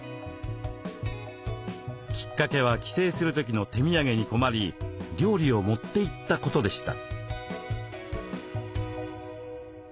きっかけは帰省する時の手土産に困り料理を持っていったことでした。